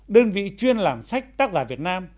đơn vị chuyên làm sách tác giả việt nam